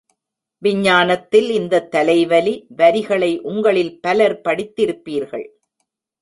விஞ்ஞானத்தில் இந்தத் தலைவலி, வரிகளை உங்களில் பலர் படித்திருப்பீர்கள்.